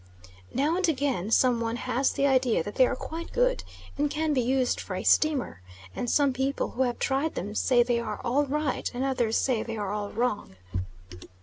Now and again some one has the idea that they are quite good, and can be used for a steamer, and some people who have tried them say they are all right, and others say they are all wrong.